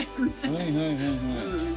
はいはいはいはい。